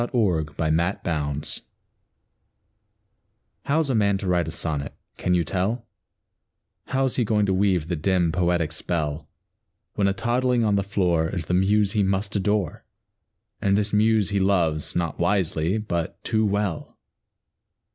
THE POET AND THE BABY How's a man to write a sonnet, can you tell, How's he going to weave the dim, poetic spell, When a toddling on the floor Is the muse he must adore, And this muse he loves, not wisely, but too well?